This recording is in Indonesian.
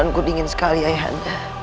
badanku dingin sekali ayahan